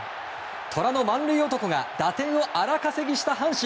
虎の満塁男が打点を荒稼ぎした阪神。